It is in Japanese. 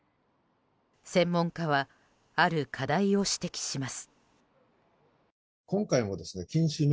専門家はある課題を指摘します。